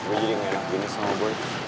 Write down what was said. gue jadi gak yakin sama boy